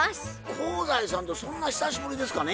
香西さんとそんな久しぶりですかね？